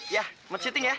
iya mau syuting ya